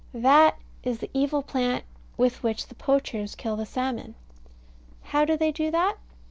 That is the evil plant with which the poachers kill the salmon. How do they do that?